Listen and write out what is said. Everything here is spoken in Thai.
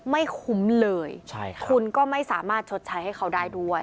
ไม่คุ้มเลยคุณก็ไม่สามารถชดใช้ให้เขาได้ด้วย